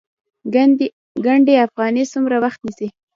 ګنډ افغاني څومره وخت نیسي؟